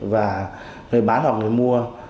và người bán hoặc người mua